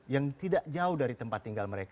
yang tidak jauh dari tempat tinggal mereka